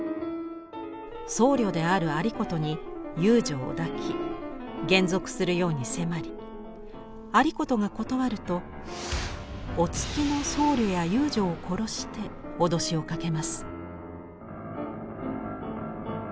僧侶である有功に遊女を抱き還俗するように迫り有功が断るとお付きの僧侶や遊女を殺して脅しをかけます。